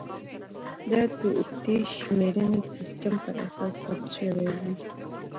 دا د اوږدې شمېرنې سیستم پر اساس ثبت شوې وې